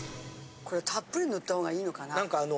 これたっぷり塗ったほうがいいのかな？